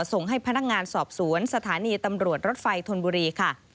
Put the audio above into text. ส่งให้พนักงานสอบสวนสถานีตำรวจรถไฟธนบุรีค่ะ